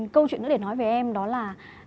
câu chuyện nữa để nói về em đó là